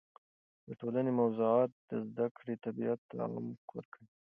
د ټولنې موضوعات د زده کړې طبیعت ته عمق ورکوي.